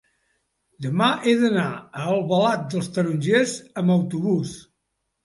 Demà he d'anar a Albalat dels Tarongers amb autobús.